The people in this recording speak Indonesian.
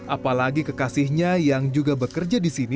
apalagi kekasihnya yang juga bekerja di sini